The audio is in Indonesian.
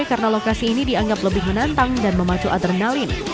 karena lokasi ini dianggap lebih menantang dan memacu adrenalin